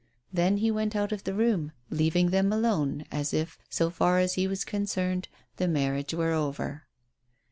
Then he went out of the room, leaving them alone, as if, so far as he was concerned, the marriage were over.